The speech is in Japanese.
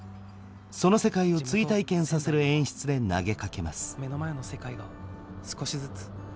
その世界を追体験させる演出で投げかけます。